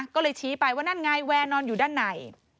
ก็เลยชี้ไปว่านั่นไงแวร์นอนอยู่ด้านใน